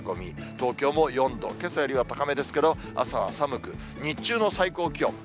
東京も４度、けさよりは高めですけれども、朝は寒く、日中の最高気温。